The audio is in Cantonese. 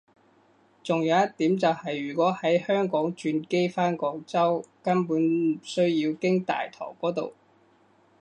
仲有一點就係如果喺香港轉機返廣州根本唔需要經大堂嗰度